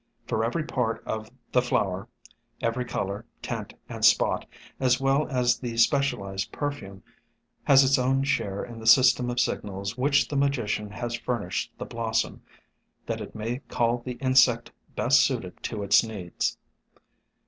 For every part of the flower, every color, tint and spot, as well as the specialized perfume, has its own share in the sys tem of signals which the Magician has furnished the blossom, that it may call the insect best suited to its needs.